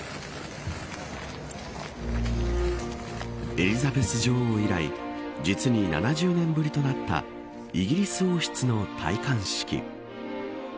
エリザベス女王以来実に７０年ぶりとなったイギリス王室の戴冠式。